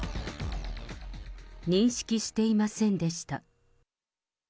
認識していませんでした。